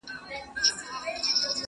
وو ریښتونی په ریشتیا په خپل بیان کي -